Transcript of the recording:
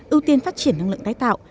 ưu tiên phát triển năng lượng tái tạo